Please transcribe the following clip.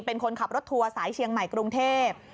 เป็นคนขับรถทัวร์สายเชียงใหม่กรุงเทพ